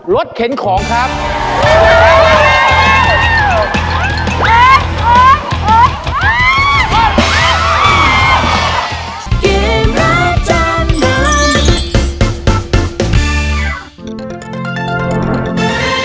เข็นของครับ